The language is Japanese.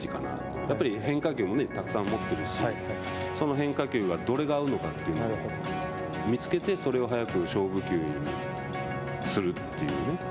やっぱり変化球もたくさん持っているし、その変化球がどれが合うのかというのを見つけて、それを早く勝負球にするというね。